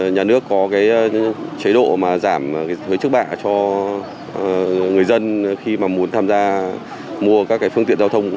nhà nước có cái chế độ mà giảm lệ phí trước bạ cho người dân khi mà muốn tham gia mua các cái phương tiện giao thông